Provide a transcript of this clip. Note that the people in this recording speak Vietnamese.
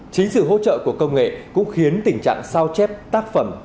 chính sự hỗ trợ của công nghệ cũng khiến tình trạng sao chép tác phẩm